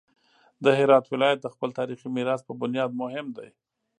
د هرات ولایت د خپل تاریخي میراث په بنیاد مهم دی.